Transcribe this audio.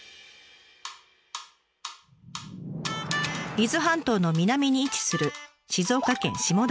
伊豆半島の南に位置する静岡県下田市。